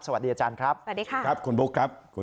สวัสดีอาจารย์ครับสวัสดีครับคุณบุ๊คครับคุณน้องแข็งครับสวัสดีครับ